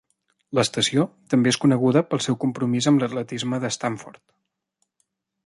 L'estació també és coneguda pel seu compromís amb l'atletisme de Stanford.